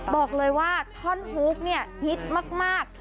บอกเลยว่าท่อนฮูกฟ์ฮิตมาก